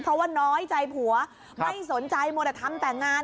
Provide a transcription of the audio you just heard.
เพราะว่าน้อยใจผัวไม่สนใจมรธรรมแต่งงาน